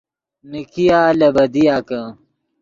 نیکیا لے بدیا کہ